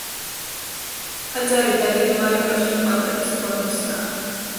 ტაძარი დაგეგმარებაში კვადრატის ფორმისაა.